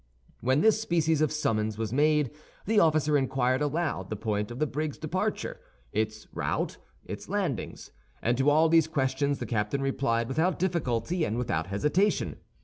When this species of summons was made the officer inquired aloud the point of the brig's departure, its route, its landings; and to all these questions the captain replied without difficulty and without hesitation.